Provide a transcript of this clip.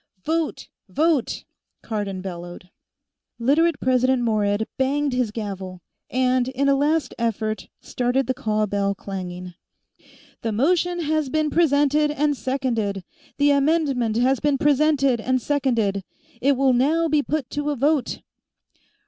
"Vote! Vote!" Cardon bellowed. Literate President Morehead banged his gavel and, in a last effort, started the call bell clanging. "The motion has been presented and seconded; the amendment has been presented and seconded. It will now be put to a vote!"